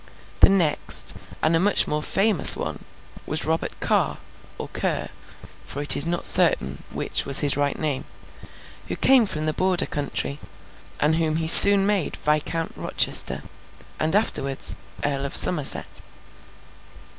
The next, and a much more famous one, was Robert Carr, or Ker (for it is not certain which was his right name), who came from the Border country, and whom he soon made Viscount Rochester, and afterwards, Earl of Somerset.